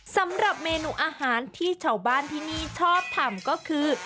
สำหรับเมนูอาหารที่ชาวบ้านที่นี่ชอบทำก็คือ